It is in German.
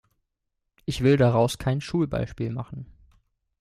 Ich will daraus kein Schulbeispiel machen.